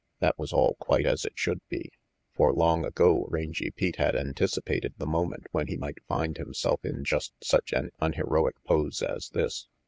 That was all quite as it should be. For long ago Rangy Pete had anticipated the moment when he might find himself in just such an unheroic pose as this.